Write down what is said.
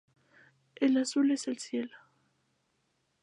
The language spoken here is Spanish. El azul es el cielo.